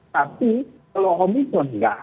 tapi kalau omnitron tidak